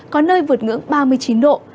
có nơi vượt ngưỡng ba mươi chín độ